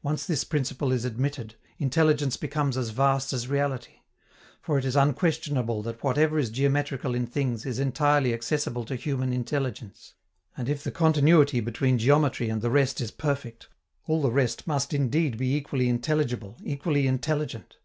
Once this principle is admitted, intelligence becomes as vast as reality; for it is unquestionable that whatever is geometrical in things is entirely accessible to human intelligence, and if the continuity between geometry and the rest is perfect, all the rest must indeed be equally intelligible, equally intelligent.